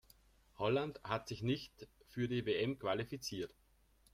Holland hat sich nicht für die WM qualifiziert.